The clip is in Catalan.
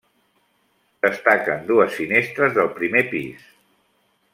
Destaquen dues finestres del primer pis.